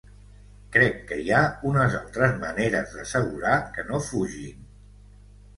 Crec que hi ha unes altres maneres d’assegurar que no fugin.